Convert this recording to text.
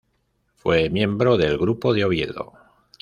Fue miembro del Grupo de Oviedo.